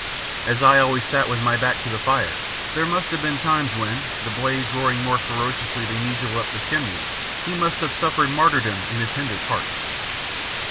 As I always sat with my back to the fire there must have been times when, the blaze roaring more fiercely than usual up the chimney, he must have suffered martyrdom in his hinder parts.